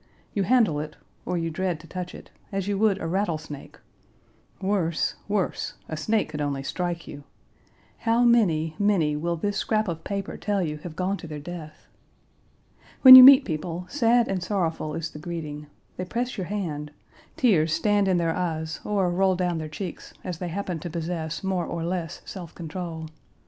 You handle it, or you dread to touch it, as you would a rattlesnake; worse, worse, a snake could only strike you. How many, many will this scrap of paper tell you have gone to their death? When you meet people, sad and sorrowful is the greeting; they press your hand; tears stand in their eyes or roll down their cheeks, as they happen to possess more or less self control.